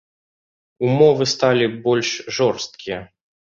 Умовы сталі больш жорсткія.